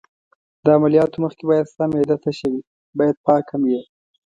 له عملیاتو مخکې باید ستا معده تشه وي، باید پاک هم یې.